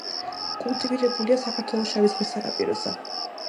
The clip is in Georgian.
კულტივირებულია საქართველოს შავი ზღვის სანაპიროზე.